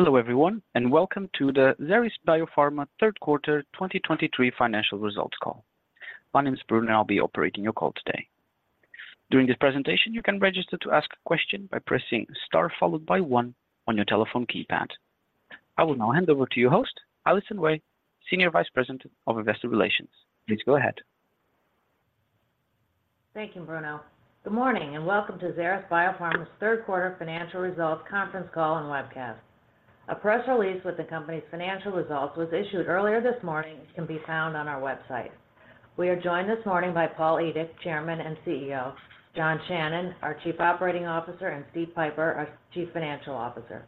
Hello everyone, and welcome to the Xeris Biopharma third quarter 2023 financial results call. My name is Bruno, and I'll be operating your call today. During this presentation, you can register to ask a question by pressing star, followed by one on your telephone keypad. I will now hand over to your host, Allison Wey, Senior Vice President of Investor Relations. Please go ahead. Thank you, Bruno. Good morning, and welcome to Xeris Biopharma's third quarter financial results conference call and webcast. A press release with the company's financial results was issued earlier this morning, and can be found on our website. We are joined this morning by Paul Edick, Chairman and CEO; John Shannon, our Chief Operating Officer; and Steve Pieper, our Chief Financial Officer.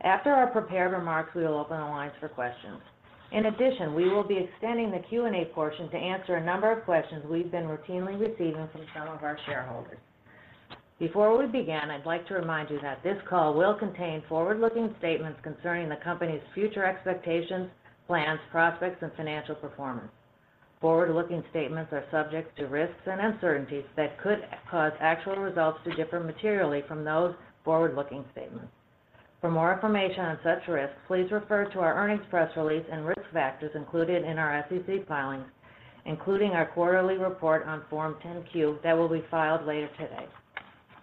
After our prepared remarks, we will open the lines for questions. In addition, we will be extending the Q&A portion to answer a number of questions we've been routinely receiving from some of our shareholders. Before we begin, I'd like to remind you that this call will contain forward-looking statements concerning the company's future expectations, plans, prospects, and financial performance. Forward-looking statements are subject to risks and uncertainties that could cause actual results to differ materially from those forward-looking statements. For more information on such risks, please refer to our earnings press release and risk factors included in our SEC filings, including our quarterly report on Form 10-Q that will be filed later today.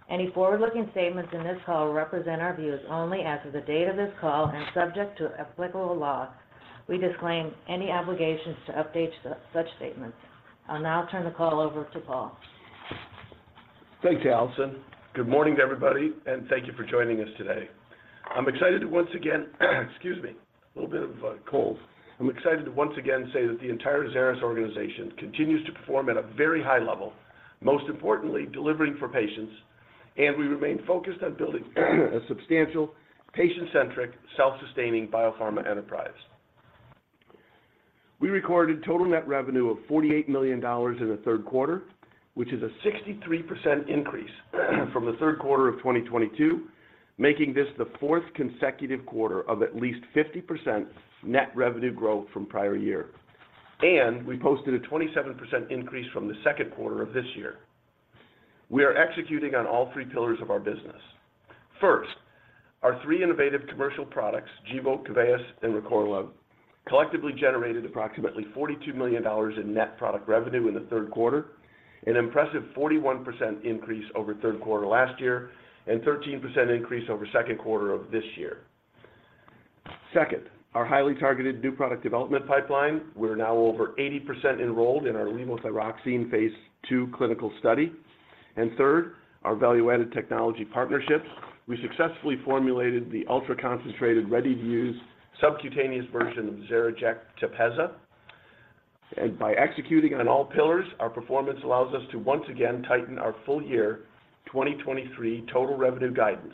Any forward-looking statements in this call represent our views only as of the date of this call and subject to applicable law. We disclaim any obligations to update such statements. I'll now turn the call over to Paul. Thanks, Allison. Good morning to everybody, and thank you for joining us today. I'm excited to once again... Excuse me, a little bit of a cold. I'm excited to once again say that the entire Xeris organization continues to perform at a very high level, most importantly, delivering for patients, and we remain focused on building a substantial, patient-centric, self-sustaining biopharma enterprise. We recorded total net revenue of $48 million in the third quarter, which is a 63% increase from the third quarter of 2022, making this the fourth consecutive quarter of at least 50% net revenue growth from prior year. We posted a 27% increase from the second quarter of this year. We are executing on all three pillars of our business. First, our three innovative commercial products, Gvoke, Keveyis, and Recorlev, collectively generated approximately $42 million in net product revenue in the third quarter, an impressive 41% increase over third quarter last year, and 13% increase over second quarter of this year. Second, our highly targeted new product development pipeline, we're now over 80% enrolled in our levothyroxine phase II clinical study. Third, our value-added technology partnerships. We successfully formulated the ultra-concentrated, ready-to-use subcutaneous version of XeriJect TEPEZZA. And by executing on all pillars, our performance allows us to once again tighten our full year 2023 total revenue guidance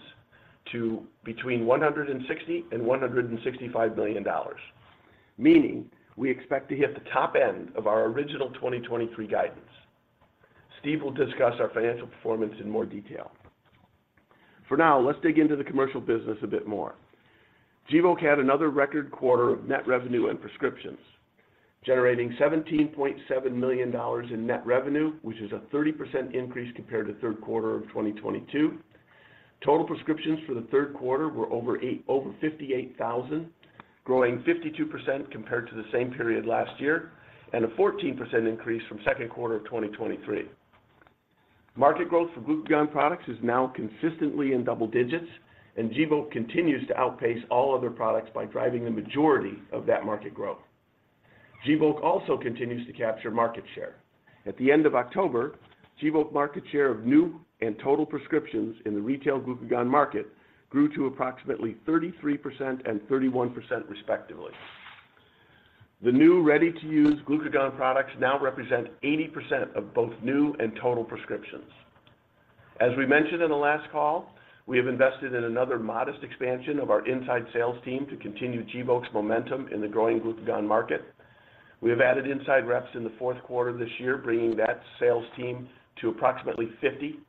to between $160 million and $165 million, meaning we expect to hit the top end of our original 2023 guidance. Steve will discuss our financial performance in more detail. For now, let's dig into the commercial business a bit more. Gvoke had another record quarter of net revenue and prescriptions, generating $17.7 million in net revenue, which is a 30% increase compared to third of 2022. Total prescriptions for the third were over 58,000, growing 52% compared to the same period last year, and a 14% increase from second quarter of 2023. Market growth for glucagon products is now consistently in double digits, and Gvoke continues to outpace all other products by driving the majority of that market growth. Gvoke also continues to capture market share. At the end of October, Gvoke market share of new and total prescriptions in the retail glucagon market grew to approximately 33% and 31%, respectively. The new ready-to-use glucagon products now represent 80% of both new and total prescriptions. As we mentioned in the last call, we have invested in another modest expansion of our inside sales team to continue Gvoke's momentum in the growing glucagon market. We have added inside reps in the fourth quarter of this year, bringing that sales team to approximately 50.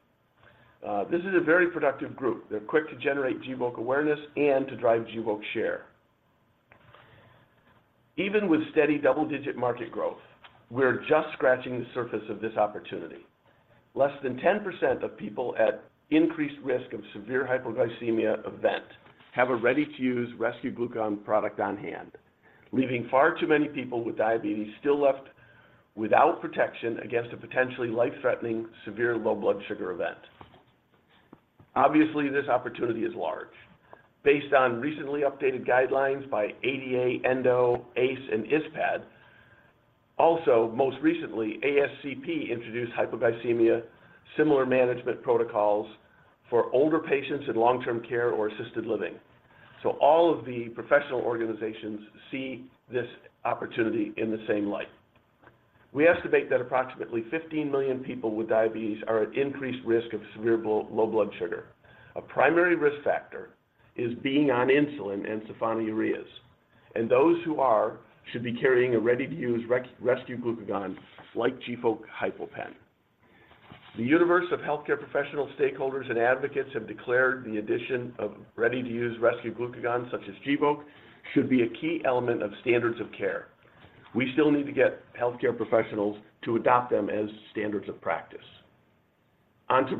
This is a very productive group. They're quick to generate Gvoke awareness and to drive Gvoke share. Even with steady double-digit market growth, we're just scratching the surface of this opportunity. Less than 10% of people at increased risk of severe hypoglycemia event have a ready-to-use rescue glucagon product on hand, leaving far too many people with diabetes still left without protection against a potentially life-threatening, severe low blood sugar event. Obviously, this opportunity is large. Based on recently updated guidelines by ADA, Endo, ACE, and ISPAD, also most recently, ASCP introduced hypoglycemia similar management protocols for older patients in long-term care or assisted living. So all of the professional organizations see this opportunity in the same light. We estimate that approximately 15 million people with diabetes are at increased risk of severe low blood sugar. A primary risk factor is being on insulin and sulfonylureas, and those who are, should be carrying a ready-to-use rescue glucagon like Gvoke HypoPen. The universe of healthcare professional stakeholders and advocates have declared the addition of ready-to-use rescue glucagon, such as Gvoke, should be a key element of standards of care. We still need to get healthcare professionals to adopt them as standards of practice. On to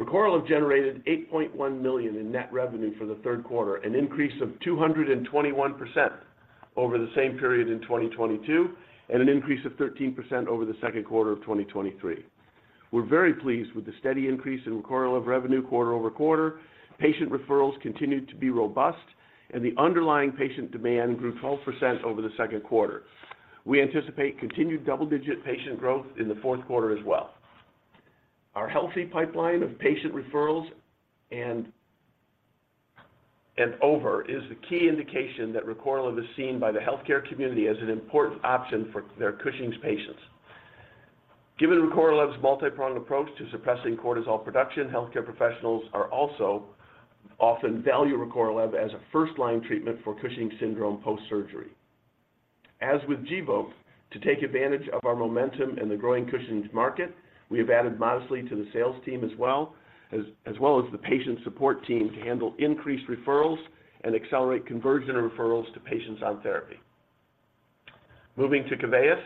Recorlev. Recorlev generated $8.1 million in net revenue for the third quarter, an increase of 221% over the same period in 2022, and an increase of 13% over the second quarter of 2023. We're very pleased with the steady increase in Recorlev revenue quarter over quarter. Patient referrals continued to be robust, and the underlying patient demand grew 12% over the second quarter. We anticipate continued double-digit patient growth in the fourth quarter as well. Our healthy pipeline of patient referrals is the key indication that Recorlev is seen by the healthcare community as an important option for their Cushing's patients. Given Recorlev's multi-pronged approach to suppressing cortisol production, healthcare professionals are also often value Recorlev as a first-line treatment for Cushing's syndrome post-surgery. As with Gvoke, to take advantage of our momentum in the growing Cushing's market, we have added modestly to the sales team as well as the patient support team to handle increased referrals and accelerate conversion of referrals to patients on therapy. Moving to Keveyis.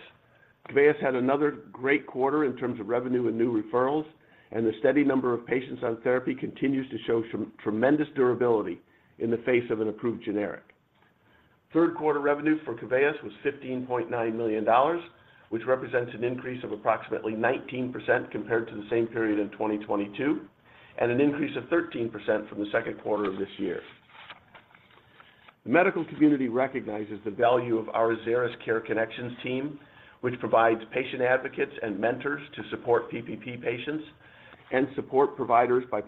Keveyis had another great quarter in terms of revenue and new referrals, and the steady number of patients on therapy continues to show tremendous durability in the face of an approved generic. third quarter revenue for Keveyis was $15.9 million, which represents an increase of approximately 19% compared to the same period in 2022, and an increase of 13% from the second quarter of this year. The medical community recognizes the value of our Xeris Care Connections team, which provides patient advocates and mentors to support PPP patients and support providers by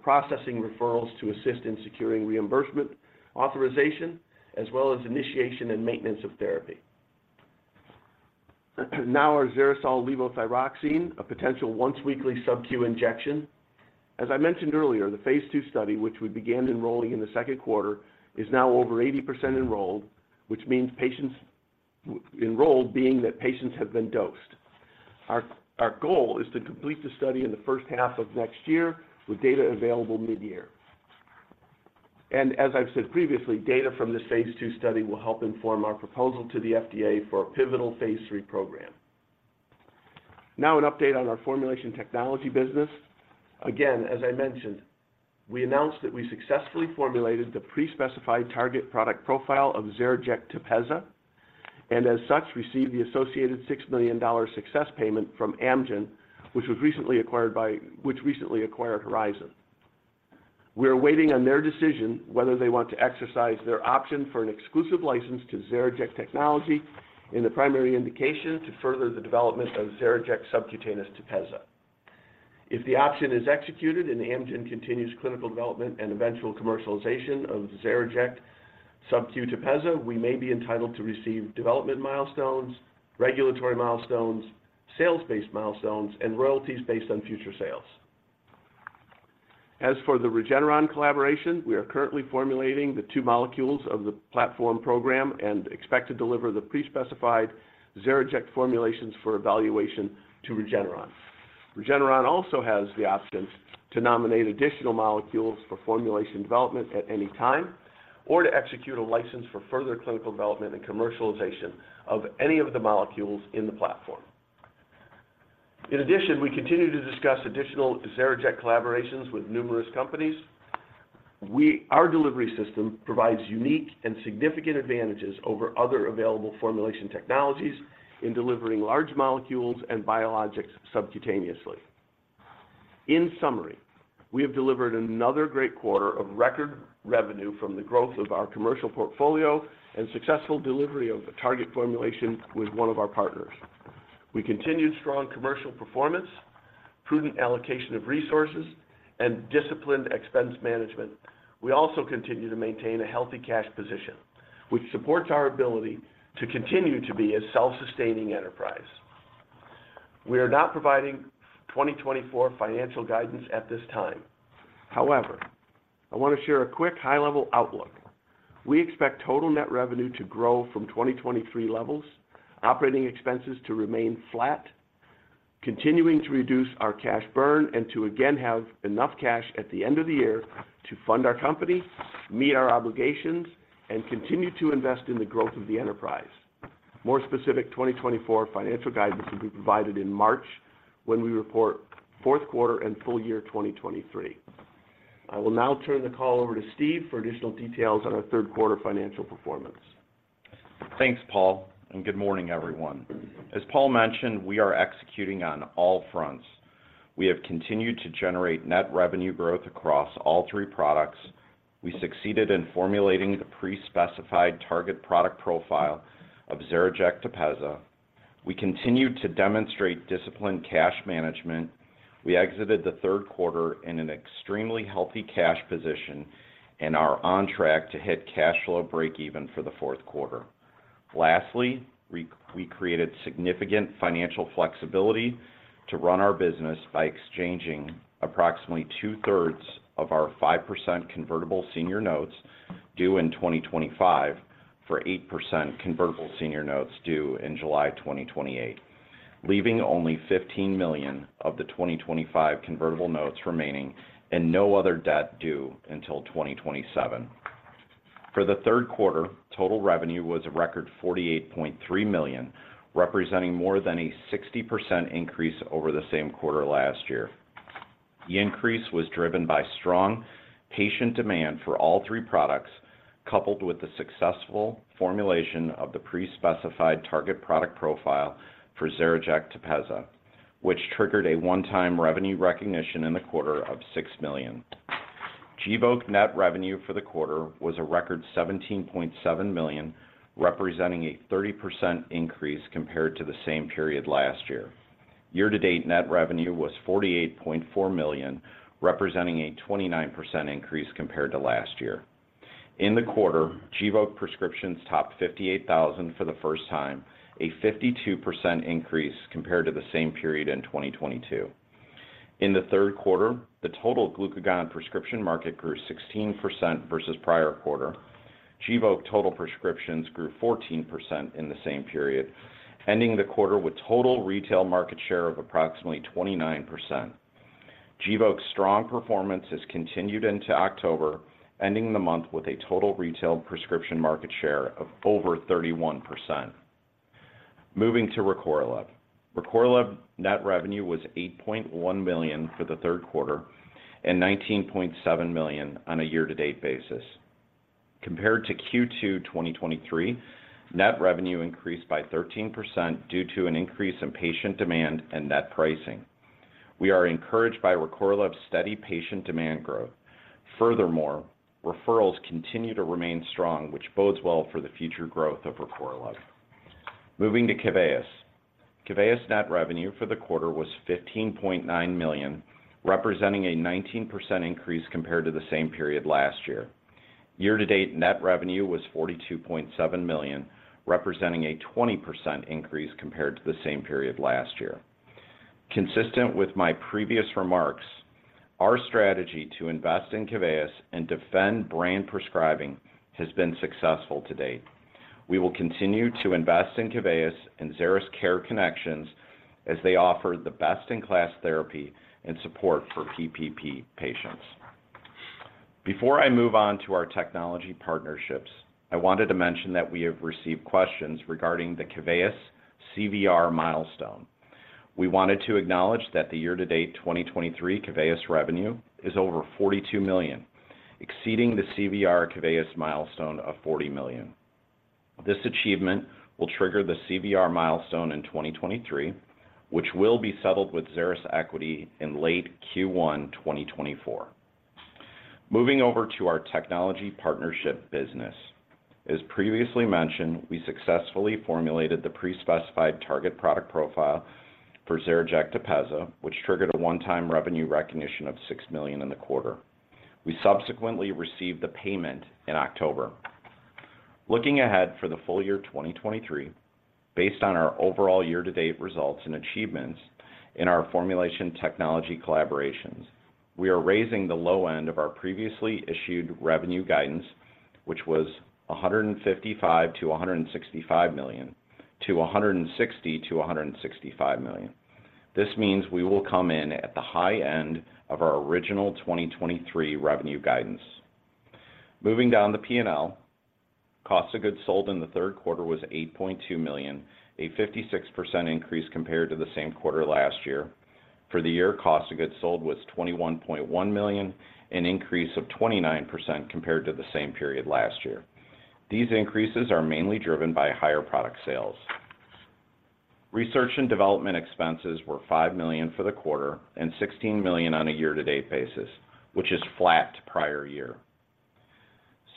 processing referrals to assist in securing reimbursement, authorization, as well as initiation and maintenance of therapy. Now, our XeriSol levothyroxine, a potential once-weekly subQ injection. As I mentioned earlier, the phase II study, which we began enrolling in the second quarter, is now over 80% enrolled, which means patients were enrolled, being that patients have been dosed. Our goal is to complete the study in the first half of next year, with data available mid-year. As I've said previously, data from this phase II study will help inform our proposal to the FDA for a pivotal phase III program. Now, an update on our formulation technology business. Again, as I mentioned, we announced that we successfully formulated the pre-specified target product profile of XeriJect TEPEZZA, and as such, received the associated $6 million success payment from Amgen, which recently acquired Horizon. We are waiting on their decision whether they want to exercise their option for an exclusive license to XeriJect technology in the primary indication to further the development of XeriJect subcutaneous TEPEZZA. If the option is executed and Amgen continues clinical development and eventual commercialization of XeriJect subQ TEPEZZA, we may be entitled to receive development milestones, regulatory milestones, sales-based milestones, and royalties based on future sales. As for the Regeneron collaboration, we are currently formulating the two molecules of the platform program and expect to deliver the pre-specified XeriJect formulations for evaluation to Regeneron. Regeneron also has the option to nominate additional molecules for formulation development at any time or to execute a license for further clinical development and commercialization of any of the molecules in the platform. In addition, we continue to discuss additional XeriJect collaborations with numerous companies. Our delivery system provides unique and significant advantages over other available formulation technologies in delivering large molecules and biologics subcutaneously. In summary, we have delivered another great quarter of record revenue from the growth of our commercial portfolio and successful delivery of the target formulation with one of our partners. We continued strong commercial performance, prudent allocation of resources, and disciplined expense management. We also continue to maintain a healthy cash position, which supports our ability to continue to be a self-sustaining enterprise. We are not providing 2024 financial guidance at this time. However, I want to share a quick high-level outlook. We expect total net revenue to grow from 2023 levels, operating expenses to remain flat, continuing to reduce our cash burn, and to again have enough cash at the end of the year to fund our company, meet our obligations, and continue to invest in the growth of the enterprise. More specific 2024 financial guidance will be provided in March when we report fourth quarter and full year 2023. I will now turn the call over to Steve for additional details on our third quarter financial performance. Thanks, Paul, and good morning, everyone. As Paul mentioned, we are executing on all fronts. We have continued to generate net revenue growth across all three products. We succeeded in formulating the pre-specified target product profile of XeriJect TEPEZZA. We continued to demonstrate disciplined cash management. We exited the third quarter in an extremely healthy cash position and are on track to hit cash flow break even for the fourth quarter. Lastly, we created significant financial flexibility to run our business by exchanging approximately 2/3 of our 5% convertible senior notes due in 2025 for 8% convertible senior notes due in July 2028, leaving only $15 million of the 2025 convertible notes remaining and no other debt due until 2027. For the third quarter, total revenue was a record $48.3 million, representing more than a 60% increase over the same quarter last year. The increase was driven by strong patient demand for all three products, coupled with the successful formulation of the pre-specified target product profile for XeriJect TEPEZZA, which triggered a one-time revenue recognition in the quarter of $6 million. Gvoke net revenue for the quarter was a record $17.7 million, representing a 30% increase compared to the same period last year. Year-to-date net revenue was $48.4 million, representing a 29% increase compared to last year. In the quarter, Gvoke prescriptions topped 58,000 for the first time, a 52% increase compared to the same period in 2022. In the third quarter, the total glucagon prescription market grew 16% versus prior quarter. Gvoke total prescriptions grew 14% in the same period, ending the quarter with total retail market share of approximately 29%. Gvoke's strong performance has continued into October, ending the month with a total retail prescription market share of over 31%. Moving to Recorlev. Recorlev net revenue was $8.1 million for the third quarter and $19.7 million on a year-to-date basis. Compared to second quarter 2023, net revenue increased by 13% due to an increase in patient demand and net pricing. We are encouraged by Recorlev's steady patient demand growth. Furthermore, referrals continue to remain strong, which bodes well for the future growth of Recorlev. Moving to Keveyis. Keveyis net revenue for the quarter was $15.9 million, representing a 19% increase compared to the same period last year. Year-to-date net revenue was $42.7 million, representing a 20% increase compared to the same period last year. Consistent with my previous remarks, our strategy to invest in Keveyis and defend brand prescribing has been successful to date. We will continue to invest in Keveyis and Xeris Care Connections as they offer the best-in-class therapy and support for PPP patients. Before I move on to our technology partnerships, I wanted to mention that we have received questions regarding the Keveyis CVR milestone. We wanted to acknowledge that the year-to-date 2023 Keveyis revenue is over $42 million, exceeding the CVR Keveyis milestone of $40 million. This achievement will trigger the CVR milestone in 2023, which will be settled with Xeris equity in late Q1 2024. Moving over to our technology partnership business. As previously mentioned, we successfully formulated the pre-specified target product profile for XeriJect TEPEZZA, which triggered a one-time revenue recognition of $6 million in the quarter. We subsequently received the payment in October. Looking ahead for the full year 2023, based on our overall year-to-date results and achievements in our formulation technology collaborations, we are raising the low end of our previously issued revenue guidance, which was $155 million-$165 million, to $160 million-$165 million. This means we will come in at the high end of our original 2023 revenue guidance. Moving down to P&L, cost of goods sold in the third quarter was $8.2 million, a 56% increase compared to the same quarter last year. For the year, cost of goods sold was $21.1 million, an increase of 29% compared to the same period last year. These increases are mainly driven by higher product sales. Research and development expenses were $5 million for the quarter and $16 million on a year-to-date basis, which is flat prior year.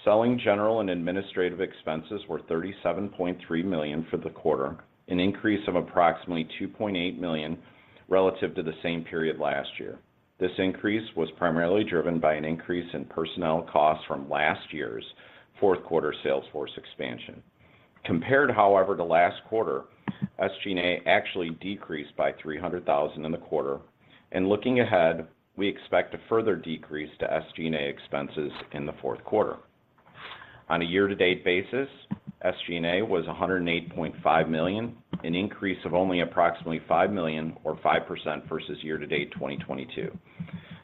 Selling general and administrative expenses were $37.3 million for the quarter, an increase of approximately $2.8 million relative to the same period last year. This increase was primarily driven by an increase in personnel costs from last year's fourth quarter salesforce expansion. Compared, however, to last quarter, SG&A actually decreased by $300,000 in the quarter, and looking ahead, we expect a further decrease to SG&A expenses in the fourth quarter. On a year-to-date basis, SG&A was $108.5 million, an increase of only approximately $5 million or 5% versus year-to-date 2022.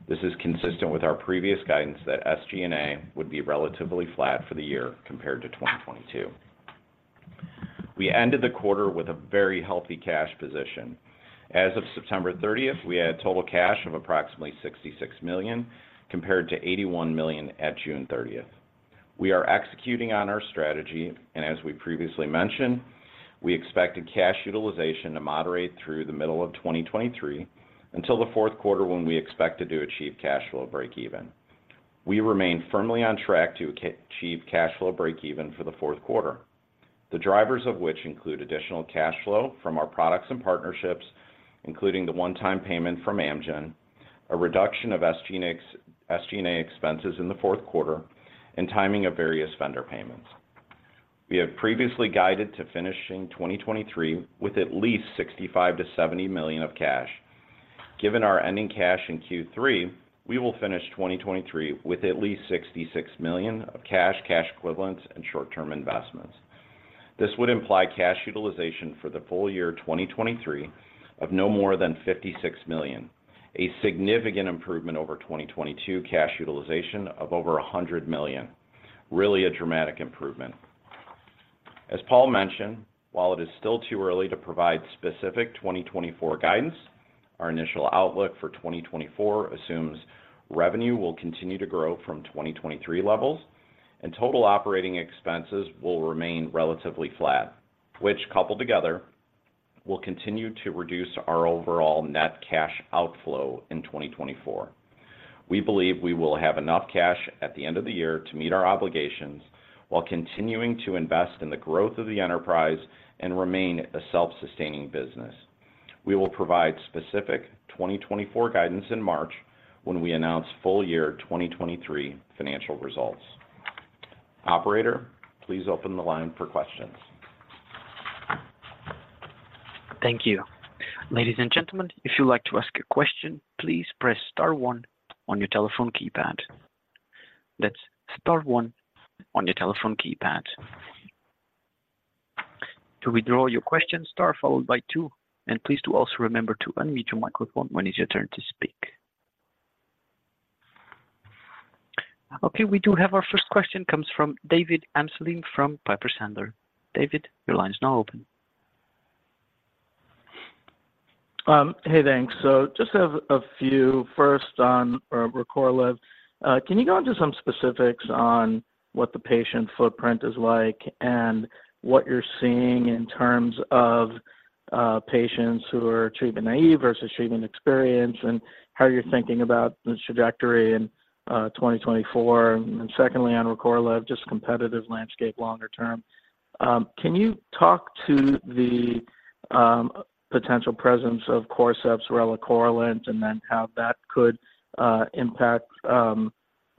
This is consistent with our previous guidance that SG&A would be relatively flat for the year compared to 2022. We ended the quarter with a very healthy cash position. As of September thirtieth, we had total cash of approximately $66 million, compared to $81 million at June 30th. We are executing on our strategy, and as we previously mentioned, we expected cash utilization to moderate through the middle of 2023 until the fourth quarter, when we expected to achieve cash flow breakeven. We remain firmly on track to achieve cash flow breakeven for the fourth quarter, the drivers of which include additional cash flow from our products and partnerships, including the one-time payment from Amgen, a reduction of SG&A expenses in the fourth quarter, and timing of various vendor payments. We have previously guided to finishing 2023 with at least $65 million-$70 million of cash. Given our ending cash in third quarter, we will finish 2023 with at least $66 million of cash, cash equivalents, and short-term investments. This would imply cash utilization for the full year 2023 of no more than $56 million, a significant improvement over 2022 cash utilization of over $100 million. Really a dramatic improvement. As Paul mentioned, while it is still too early to provide specific 2024 guidance, our initial outlook for 2024 assumes revenue will continue to grow from 2023 levels, and total operating expenses will remain relatively flat, which coupled together, will continue to reduce our overall net cash outflow in 2024. We believe we will have enough cash at the end of the year to meet our obligations while continuing to invest in the growth of the enterprise and remain a self-sustaining business. We will provide specific 2024 guidance in March when we announce full year 2023 financial results. Operator, please open the line for questions. Thank you. Ladies and gentlemen, if you'd like to ask a question, please press star one on your telephone keypad. That's star one on your telephone keypad. To withdraw your question, star followed by two, and please do also remember to unmute your microphone when it's your turn to speak. Okay, we do have our first question comes from David Amsellem from Piper Sandler. David, your line is now open. Hey, thanks. So just have a few first on Recorlev. Can you go into some specifics on what the patient footprint is like and what you're seeing in terms of patients who are treatment naive versus treatment experienced, and how you're thinking about this trajectory in 2024? And secondly, on Recorlev, just competitive landscape, longer term, can you talk to the potential presence of Corcept's relacorilant and then how that could impact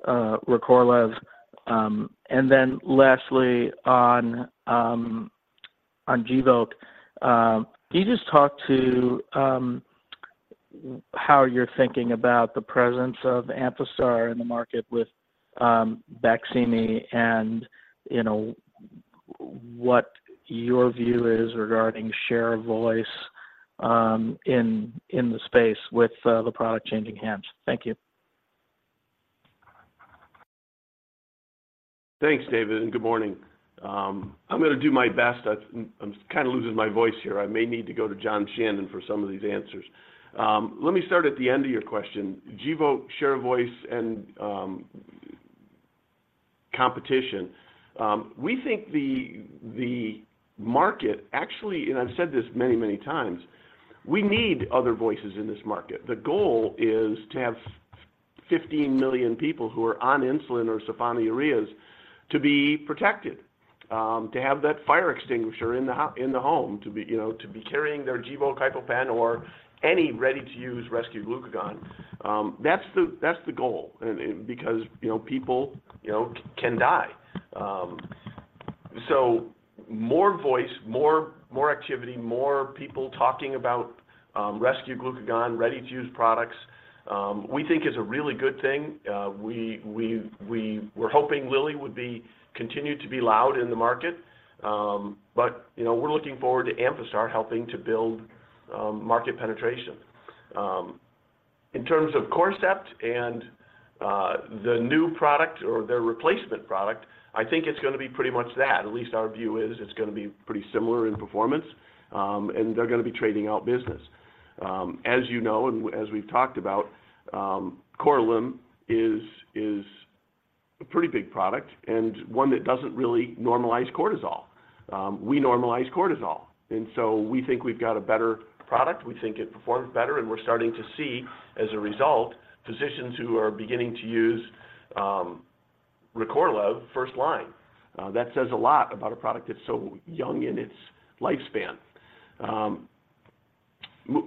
Recorlev? And then lastly, on Gvoke, can you just talk to how you're thinking about the presence of Amphastar in the market with Baqsimi, and you know, what your view is regarding share of voice in the space with the product changing hands? Thank you. Thanks, David, and good morning. I'm gonna do my best. I'm kind of losing my voice here. I may need to go to John Shannon for some of these answers. Let me start at the end of your question. Gvoke, share of voice and competition. We think the market actually, and I've said this many, many times, we need other voices in this market. The goal is to have 15 million people who are on insulin or sulfonylureas to be protected, to have that fire extinguisher in the home, to be, you know, to be carrying their Gvoke HypoPen or any ready-to-use rescue glucagon. That's the goal. And because, you know, people, you know, can die. So more voice, more activity, more people talking about rescue glucagon, ready-to-use products, we think is a really good thing. We were hoping Lilly would continue to be loud in the market, but, you know, we're looking forward to Amphastar helping to build market penetration. In terms of Corcept and the new product or their replacement product, I think it's gonna be pretty much that. At least our view is it's gonna be pretty similar in performance, and they're gonna be trading out business. As you know, and as we've talked about, Korlym is a pretty big product and one that doesn't really normalize cortisol. We normalize cortisol, and so we think we've got a better product. We think it performs better, and we're starting to see, as a result, physicians who are beginning to use Recorlev first line. That says a lot about a product that's so young in its lifespan. And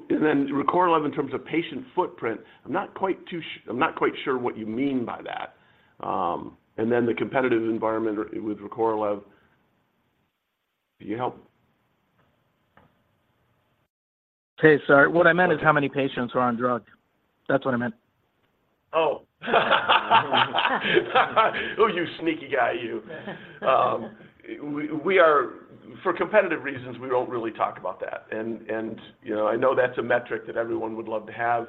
then Recorlev in terms of patient footprint, I'm not quite sure what you mean by that. And then the competitive environment with Recorlev, can you help? Okay, sorry. What I meant is how many patients are on drug? That's what I meant. Oh. Oh, you sneaky guy, you. We are—for competitive reasons, we don't really talk about that. And you know, I know that's a metric that everyone would love to have,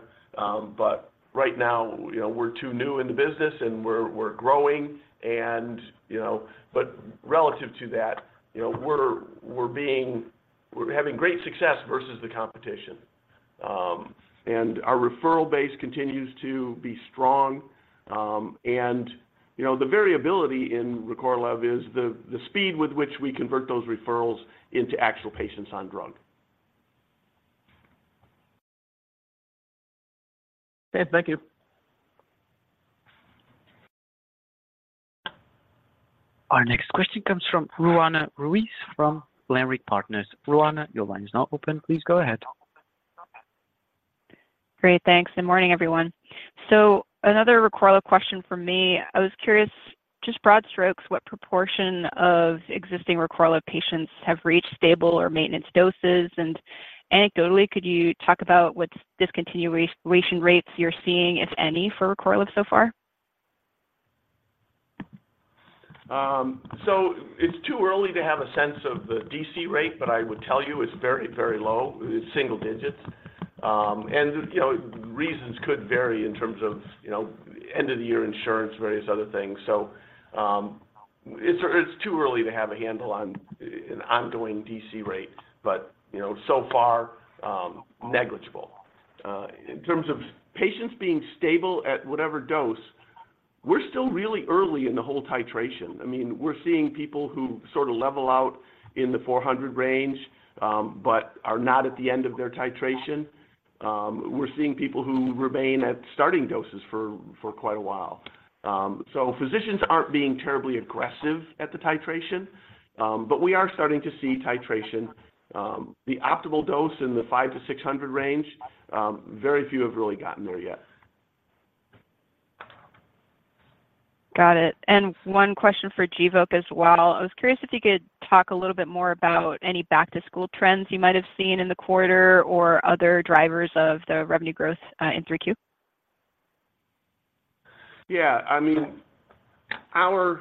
but right now, you know, we're too new in the business and we're growing and, you know. But relative to that, you know, we're having great success versus the competition. And our referral base continues to be strong. And you know, the variability in Recorlev is the speed with which we convert those referrals into actual patients on drug. Okay, thank you. Our next question comes from Roanna Ruiz from Leerink Partners. Ruwani, your line is now open. Please go ahead. Great. Thanks. Good morning, everyone. Another Recorlev question from me. I was curious, just broad strokes, what proportion of existing Recorlev patients have reached stable or maintenance doses? And anecdotally, could you talk about what discontinuation rates you're seeing, if any, for Recorlev so far?... So it's too early to have a sense of the DC rate, but I would tell you it's very, very low. It's single digits. And, you know, reasons could vary in terms of, you know, end-of-the-year insurance, various other things. So, it's too early to have a handle on an ongoing DC rate, but, you know, so far, negligible. In terms of patients being stable at whatever dose, we're still really early in the whole titration. I mean, we're seeing people who sort of level out in the 400 range, but are not at the end of their titration. We're seeing people who remain at starting doses for quite a while. So physicians aren't being terribly aggressive at the titration, but we are starting to see titration. The optimal dose in the 500-600 range, very few have really gotten there yet. Got it. And one question for Gvoke as well. I was curious if you could talk a little bit more about any back-to-school trends you might have seen in the quarter or other drivers of the revenue growth in 3Q? Yeah. I mean, our.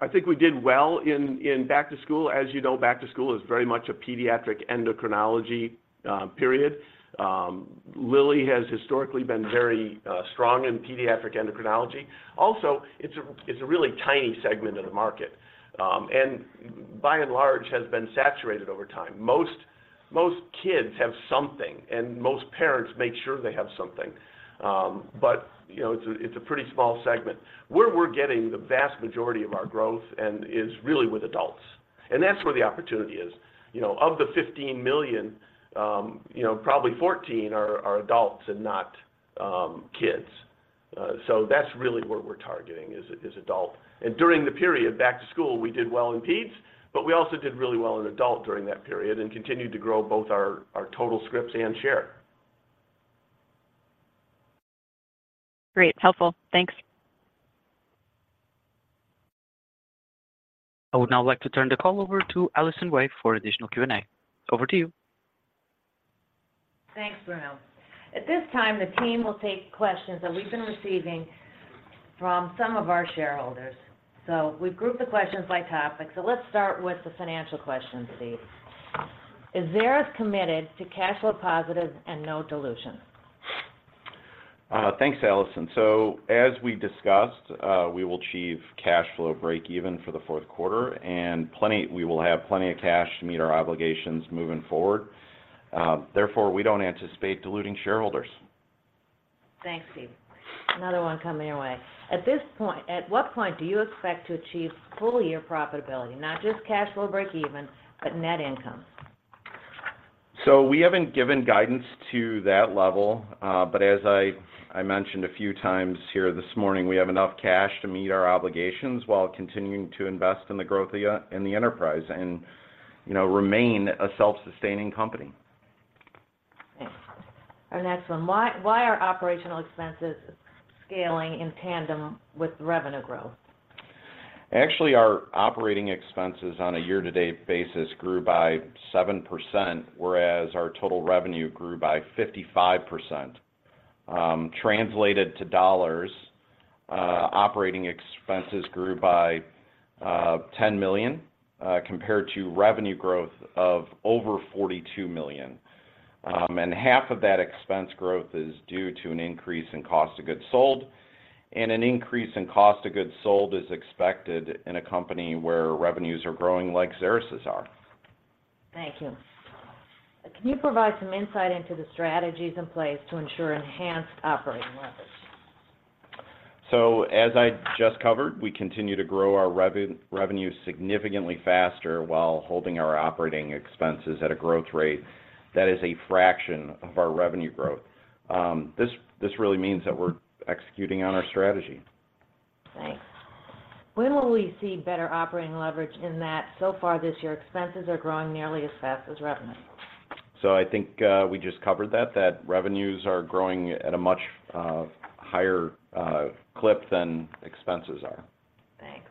I think we did well in back to school. As you know, back to school is very much a pediatric endocrinology period. Lilly has historically been very strong in pediatric endocrinology. Also, it's a really tiny segment of the market, and by and large, has been saturated over time. Most kids have something, and most parents make sure they have something. But you know, it's a pretty small segment. Where we're getting the vast majority of our growth and is really with adults, and that's where the opportunity is. You know, of the 15 million, you know, probably 14 are adults and not kids. So that's really what we're targeting, is adult. During the period, back to school, we did well in peds, but we also did really well in adult during that period and continued to grow both our total scripts and share. Great. Helpful. Thanks. I would now like to turn the call over to Allison Wey for additional Q&A. Over to you. Thanks, Bruno. At this time, the team will take questions that we've been receiving from some of our shareholders. So we've grouped the questions by topic, so let's start with the financial questions, please. Is Xeris committed to cash flow positive and no dilution? Thanks, Allison. So as we discussed, we will achieve cash flow break even for the fourth quarter, and plenty, we will have plenty of cash to meet our obligations moving forward. Therefore, we don't anticipate diluting shareholders. Thanks, Steve. Another one coming your way. At this point - at what point do you expect to achieve full year profitability, not just cash flow break even, but net income? We haven't given guidance to that level, but as I mentioned a few times here this morning, we have enough cash to meet our obligations while continuing to invest in the growth of the enterprise and, you know, remain a self-sustaining company. Thanks. Our next one. Why, why are operational expenses scaling in tandem with revenue growth? Actually, our operating expenses on a year-to-date basis grew by 7%, whereas our total revenue grew by 55%. Translated to dollars, operating expenses grew by $10 million compared to revenue growth of over $42 million. And half of that expense growth is due to an increase in cost of goods sold, and an increase in cost of goods sold is expected in a company where revenues are growing like Xeris' are. Thank you. Can you provide some insight into the strategies in place to ensure enhanced operating leverage? So, as I just covered, we continue to grow our revenue significantly faster while holding our operating expenses at a growth rate that is a fraction of our revenue growth. This really means that we're executing on our strategy. Thanks. When will we see better operating leverage in that so far this year, expenses are growing nearly as fast as revenue? I think we just covered that, that revenues are growing at a much higher clip than expenses are. Thanks.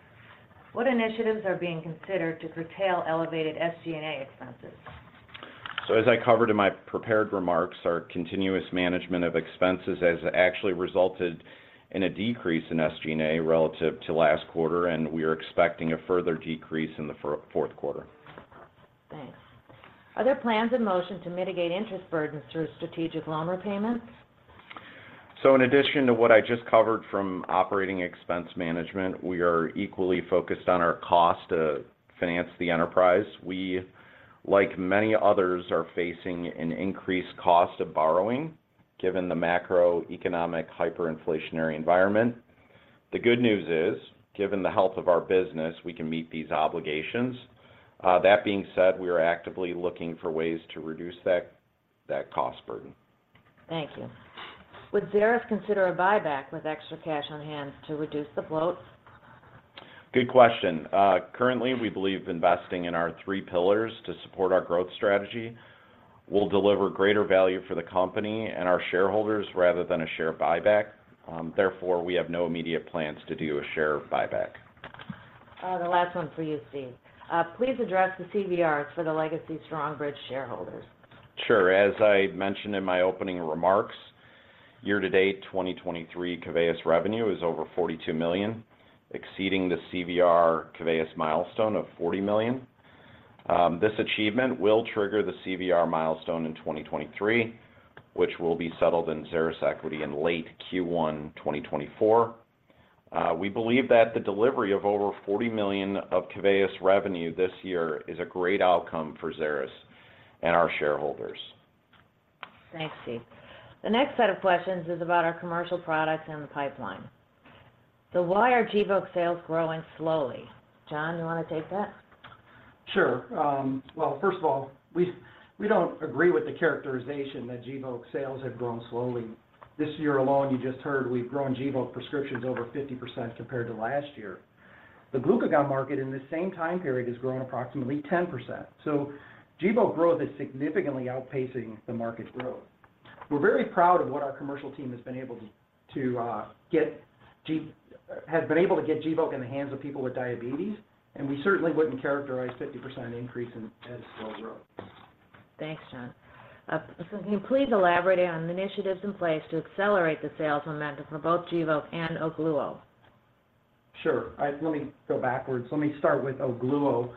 What initiatives are being considered to curtail elevated SG&A expenses? So as I covered in my prepared remarks, our continuous management of expenses has actually resulted in a decrease in SG&A relative to last quarter, and we are expecting a further decrease in the fourth quarter. Thanks. Are there plans in motion to mitigate interest burdens through strategic loan repayments? In addition to what I just covered from operating expense management, we are equally focused on our cost to finance the enterprise. We, like many others, are facing an increased cost of borrowing, given the macroeconomic hyperinflationary environment. The good news is, given the health of our business, we can meet these obligations. That being said, we are actively looking for ways to reduce that, that cost burden. Thank you. Would Xeris consider a buyback with extra cash on hand to reduce the bloat? Good question. Currently, we believe investing in our three pillars to support our growth strategy will deliver greater value for the company and our shareholders, rather than a share buyback. Therefore, we have no immediate plans to do a share buyback. The last one's for you, Steve. Please address the CVRs for the legacy Strongbridge shareholders. Sure. As I mentioned in my opening remarks, year-to-date 2023 Keveyis revenue is over $42 million, exceeding the CVR Keveyis milestone of $40 million. This achievement will trigger the CVR milestone in 2023, which will be settled in Xeris equity in late Q1, 2024. We believe that the delivery of over $40 million of Keveyis revenue this year is a great outcome for Xeris and our shareholders. Thanks, Steve. The next set of questions is about our commercial products and the pipeline. So why are Gvoke sales growing slowly? John, you wanna take that? Sure. Well, first of all, we don't agree with the characterization that Gvoke sales have grown slowly. This year alone, you just heard we've grown Gvoke prescriptions over 50% compared to last year. The glucagon market in the same time period has grown approximately 10%. So Gvoke growth is significantly outpacing the market growth. We're very proud of what our commercial team has been able to get Gvoke in the hands of people with diabetes, and we certainly wouldn't characterize 50% increase as slow growth. Thanks, John. So can you please elaborate on the initiatives in place to accelerate the sales momentum for both Gvoke and Ogluo? Sure. Let me go backwards. Let me start with Ogluo.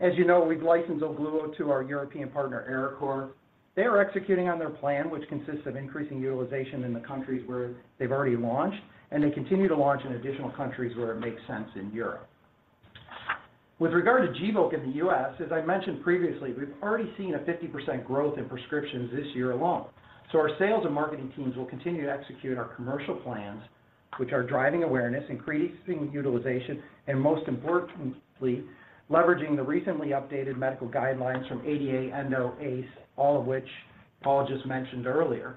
As you know, we've licensed Ogluo to our European partner, Arecor. They are executing on their plan, which consists of increasing utilization in the countries where they've already launched, and they continue to launch in additional countries where it makes sense in Europe. With regard to Gvoke in the U.S., as I mentioned previously, we've already seen a 50% growth in prescriptions this year alone. So our sales and marketing teams will continue to execute our commercial plans, which are driving awareness, increasing utilization, and most importantly, leveraging the recently updated medical guidelines from ADA, Endo, ACE, all of which Paul just mentioned earlier.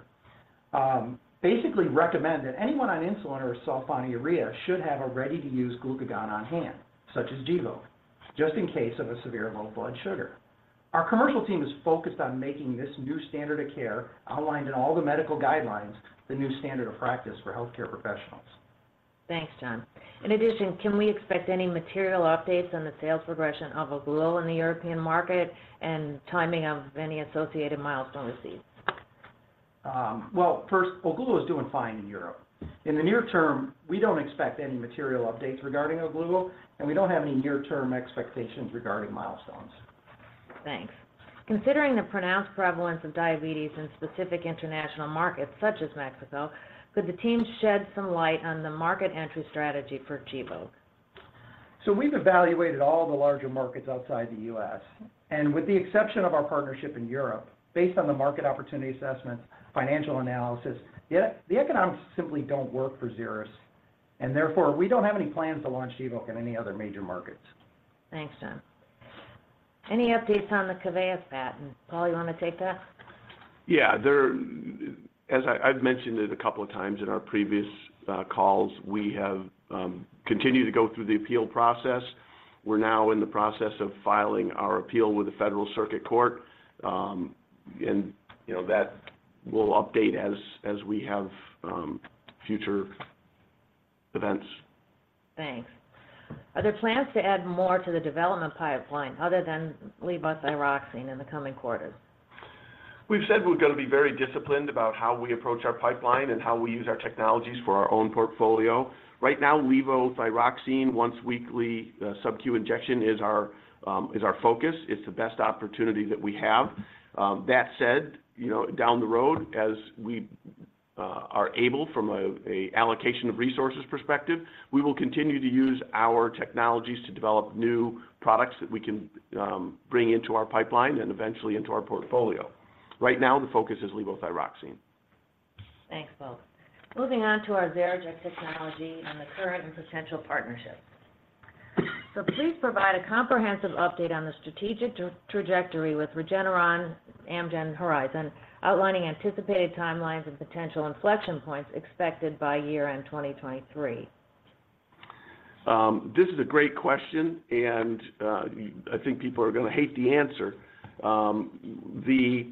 Basically recommend that anyone on insulin or sulfonylurea should have a ready-to-use glucagon on hand, such as Gvoke, just in case of a severe low blood sugar. Our commercial team is focused on making this new standard of care, outlined in all the medical guidelines, the new standard of practice for healthcare professionals. Thanks, John. In addition, can we expect any material updates on the sales progression of Ogluo in the European market and timing of any associated milestone received? Well, first, Ogluo is doing fine in Europe. In the near term, we don't expect any material updates regarding Ogluo, and we don't have any near-term expectations regarding milestones. Thanks. Considering the pronounced prevalence of diabetes in specific international markets, such as Mexico, could the team shed some light on the market entry strategy for Gvoke? So we've evaluated all the larger markets outside the U.S., and with the exception of our partnership in Europe, based on the market opportunity assessment, financial analysis, the economics simply don't work for Xeris, and therefore, we don't have any plans to launch Gvoke in any other major markets. Thanks, John. Any updates on the Keveyis patent? Paul, you wanna take that? Yeah. As I've mentioned it a couple of times in our previous calls, we have continued to go through the appeal process. We're now in the process of filing our appeal with the Federal Circuit Court. And, you know, that we'll update as we have future events. Thanks. Are there plans to add more to the development pipeline other than Levothyroxine in the coming quarters? We've said we're gonna be very disciplined about how we approach our pipeline and how we use our technologies for our own portfolio. Right now, levothyroxine once-weekly subQ injection is our focus. It's the best opportunity that we have. That said, you know, down the road, as we are able from a allocation of resources perspective, we will continue to use our technologies to develop new products that we can bring into our pipeline and eventually into our portfolio. Right now, the focus is levothyroxine. Thanks, both. Moving on to our XeriJect technology and the current and potential partnerships. So please provide a comprehensive update on the strategic trajectory with Regeneron, Amgen, Horizon, outlining anticipated timelines and potential inflection points expected by year-end 2023. This is a great question, and I think people are gonna hate the answer. The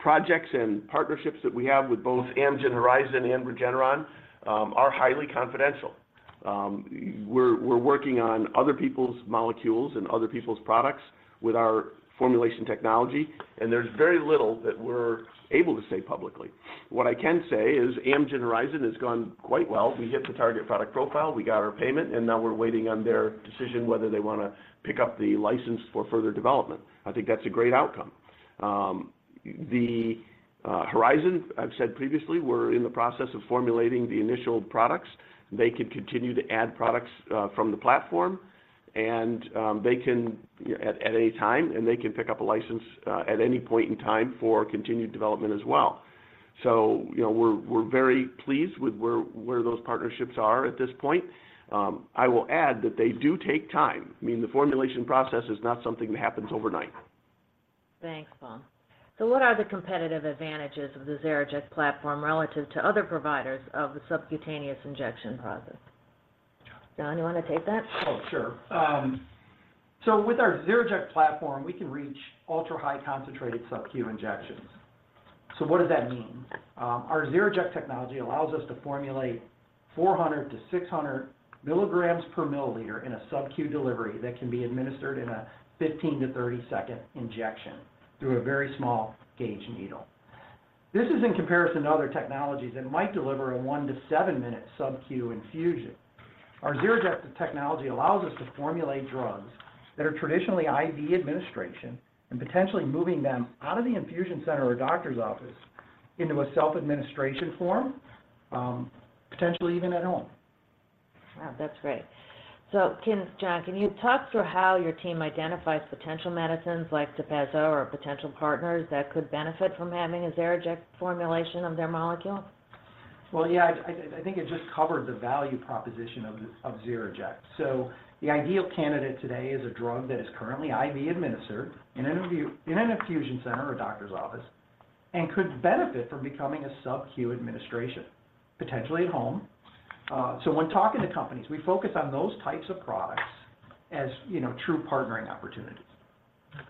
projects and partnerships that we have with both Amgen, Horizon, and Regeneron are highly confidential. We're working on other people's molecules and other people's products with our formulation technology, and there's very little that we're able to say publicly. What I can say is Amgen, Horizon, has gone quite well. We hit the target product profile, we got our payment, and now we're waiting on their decision whether they wanna pick up the license for further development. I think that's a great outcome. Horizon, I've said previously, we're in the process of formulating the initial products. They can continue to add products from the platform, and they can at any time, and they can pick up a license at any point in time for continued development as well. So, you know, we're very pleased with where those partnerships are at this point. I will add that they do take time. I mean, the formulation process is not something that happens overnight. Thanks, Paul. So what are the competitive advantages of the XeriJect platform relative to other providers of the subcutaneous injection process? John, you wanna take that? Oh, sure. So with our XeriJect platform, we can reach ultra-high concentrated subQ injections... So what does that mean? Our XeriJect technology allows us to formulate 400-600 milligrams per milliliter in a subQ delivery that can be administered in a 15-30 second injection through a very small gauge needle. This is in comparison to other technologies that might deliver a 1-7 minute subQ infusion. Our XeriJect technology allows us to formulate drugs that are traditionally IV administration, and potentially moving them out of the infusion center or doctor's office into a self-administration form, potentially even at home. Wow, that's great. So, John, can you talk through how your team identifies potential medicines like TEPEZZA or potential partners that could benefit from having a XeriJect formulation of their molecule? Well, yeah, I think I just covered the value proposition of XeriJect. So the ideal candidate today is a drug that is currently IV administered, in an infusion center or a doctor's office, and could benefit from becoming a subQ administration, potentially at home. So when talking to companies, we focus on those types of products as, you know, true partnering opportunities.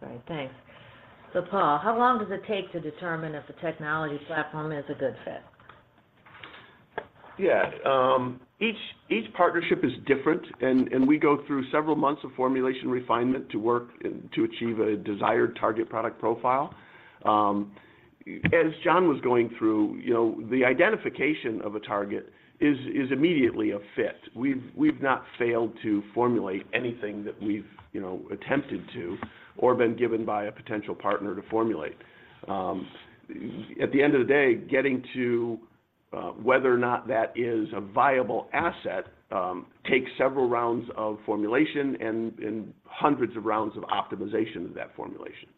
Okay, thanks. So, Paul, how long does it take to determine if a technology platform is a good fit? Yeah, each partnership is different, and we go through several months of formulation refinement to work and to achieve a desired target product profile. As John was going through, you know, the identification of a target is immediately a fit. We've not failed to formulate anything that we've, you know, attempted to or been given by a potential partner to formulate. At the end of the day, getting to whether or not that is a viable asset takes several rounds of formulation and hundreds of rounds of optimization of that formulation.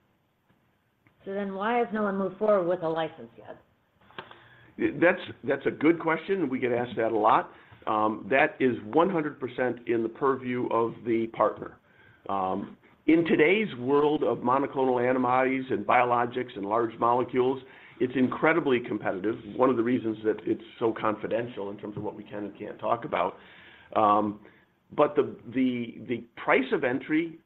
So then why has no one moved forward with a license yet? That's a good question, and we get asked that a lot. That is 100% in the purview of the partner. In today's world of monoclonal antibodies, and biologics, and large molecules, it's incredibly competitive. One of the reasons that it's so confidential in terms of what we can and can't talk about. But the price of entry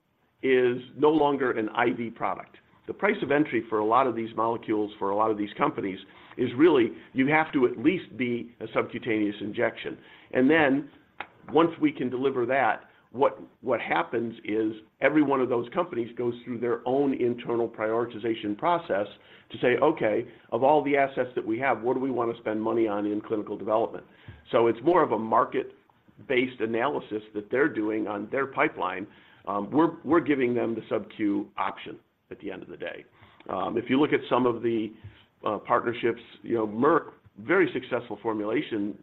is no longer an IV product. The price of entry for a lot of these molecules, for a lot of these companies, is really you have to at least be a subcutaneous injection. Then, once we can deliver that, what happens is every one of those companies goes through their own internal prioritization process to say, okay, of all the assets that we have, what do we wanna spend money on in clinical development? So it's more of a market-based analysis that they're doing on their pipeline. We're giving them the subq option at the end of the day. If you look at some of the partnerships, you know, Merck, very successful formulation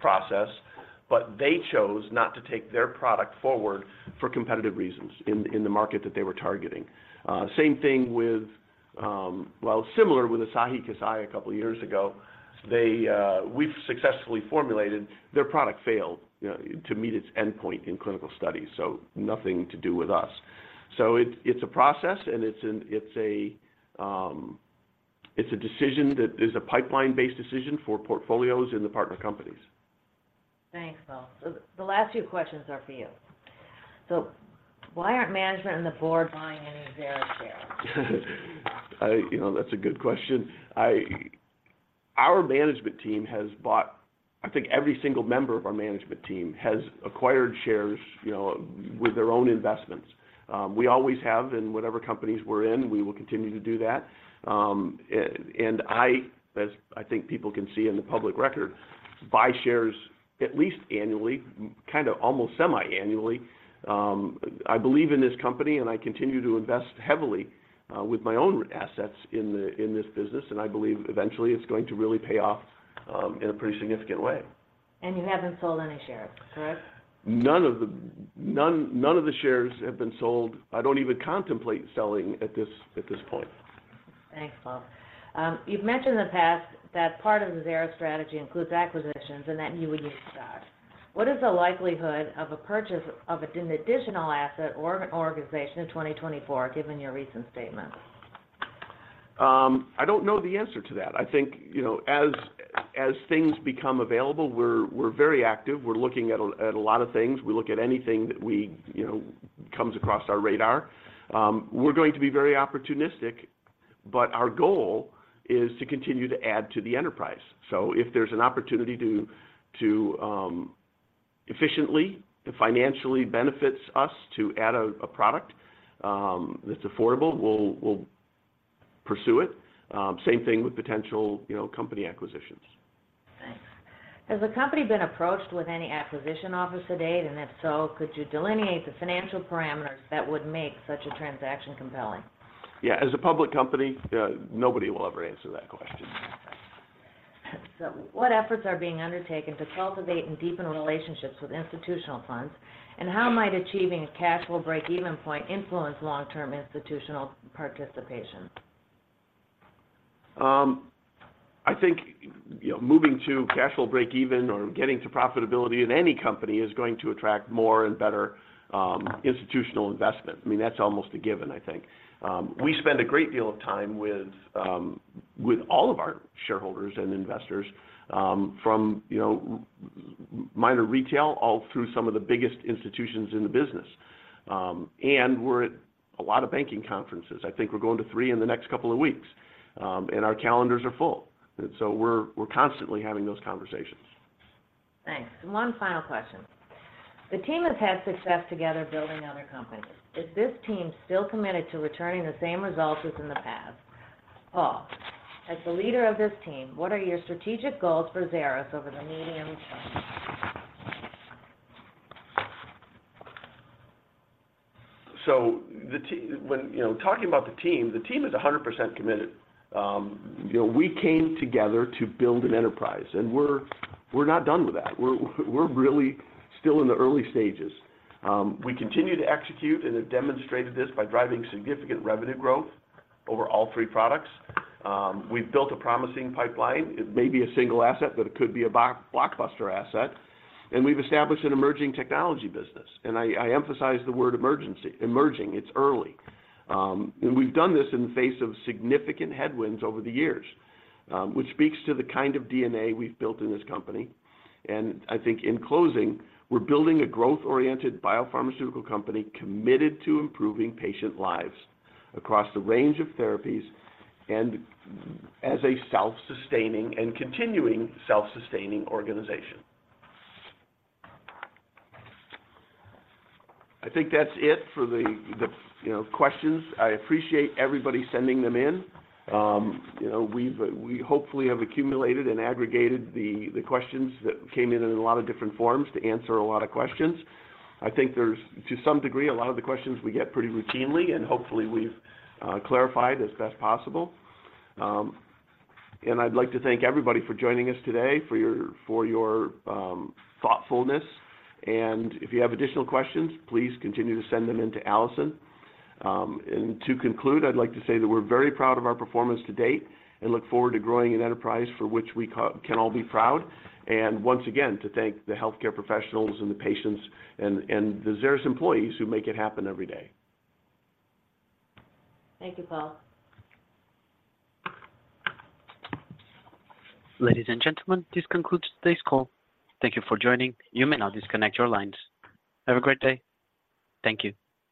process, but they chose not to take their product forward for competitive reasons in the market that they were targeting. Same thing with similar with Asahi Kasei a couple of years ago. They, we've successfully formulated their product failed to meet its endpoint in clinical studies, so nothing to do with us. So it's a process and it's a decision that is a pipeline-based decision for portfolios in the partner companies. Thanks, Paul. So the last two questions are for you. So why aren't management and the board buying any of their shares? You know, that's a good question. Our management team, I think every single member of our management team has acquired shares, you know, with their own investments. We always have, in whatever companies we're in, we will continue to do that. And I, as I think people can see in the public record, buy shares at least annually, kinda almost semiannually. I believe in this company, and I continue to invest heavily, with my own assets in this business, and I believe eventually it's going to really pay off, in a pretty significant way. You haven't sold any shares, correct? None of the shares have been sold. I don't even contemplate selling at this point. Thanks, Paul. You've mentioned in the past that part of the Xeris strategy includes acquisitions and that you would need to start. What is the likelihood of a purchase of an additional asset or an organization in 2024, given your recent statement? I don't know the answer to that. I think, you know, as things become available, we're very active. We're looking at a lot of things. We look at anything that we, you know, comes across our radar. We're going to be very opportunistic, but our goal is to continue to add to the enterprise. So if there's an opportunity to efficiently, if financially benefits us to add a product, that's affordable, we'll pursue it. Same thing with potential, you know, company acquisitions. Thanks. Has the company been approached with any acquisition offers to date? And if so, could you delineate the financial parameters that would make such a transaction compelling? Yeah, as a public company, nobody will ever answer that question. What efforts are being undertaken to cultivate and deepen relationships with institutional funds? How might achieving a cash flow break-even point influence long-term institutional participation? I think, you know, moving to cash will break even or getting to profitability in any company is going to attract more and better institutional investment. I mean, that's almost a given, I think. We spend a great deal of time with all of our shareholders and investors, from, you know, minor retail, all through some of the biggest institutions in the business. And we're at a lot of banking conferences. I think we're going to three in the next couple of weeks, and our calendars are full. And so we're constantly having those conversations. Thanks. And one final question. The team has had success together building other companies. Is this team still committed to returning the same results as in the past? Paul, as the leader of this team, what are your strategic goals for Xeris over the medium term? So the team, when, you know, talking about the team, the team is 100% committed. You know, we came together to build an enterprise, and we're not done with that. We're really still in the early stages. We continue to execute and have demonstrated this by driving significant revenue growth over all three products. We've built a promising pipeline. It may be a single asset, but it could be a blockbuster asset, and we've established an emerging technology business, and I emphasize the word emerging. It's early. And we've done this in the face of significant headwinds over the years, which speaks to the kind of DNA we've built in this company. And I think in closing, we're building a growth-oriented biopharmaceutical company committed to improving patient lives across the range of therapies and as a self-sustaining and continuing self-sustaining organization. I think that's it for the you know, questions. I appreciate everybody sending them in. You know, we hopefully have accumulated and aggregated the questions that came in in a lot of different forms to answer a lot of questions. I think there's, to some degree, a lot of the questions we get pretty routinely, and hopefully we've clarified as best possible. And I'd like to thank everybody for joining us today, for your thoughtfulness. And if you have additional questions, please continue to send them in to Allison. And to conclude, I'd like to say that we're very proud of our performance to date and look forward to growing an enterprise for which we can all be proud. And once again, to thank the healthcare professionals and the patients and the Xeris employees who make it happen every day. Thank you, Paul. Ladies and gentlemen, this concludes today's call. Thank you for joining. You may now disconnect your lines. Have a great day. Thank you.